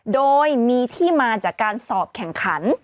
โดยมีที่มาจากการสอบแข่งขัน